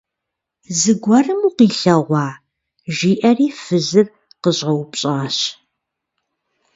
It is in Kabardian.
Зыгуэрым укъилъэгъуа? – жиӀэри фызыр къыщӀэупщӀащ.